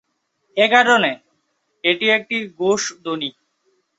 এ কারণে এটি একটি ঘোষ ধ্বনি।